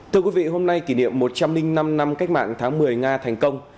thưa quý vị hôm nay kỷ niệm một trăm linh năm năm cách mạng tháng một mươi nga thành công